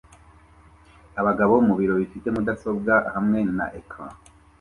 Abagabo mubiro bifite mudasobwa hamwe na ecran